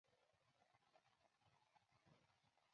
乳铁蛋白的许多功能特性取决于其寡聚态形式。